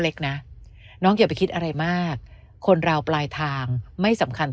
เล็กนะน้องอย่าไปคิดอะไรมากคนเราปลายทางไม่สำคัญ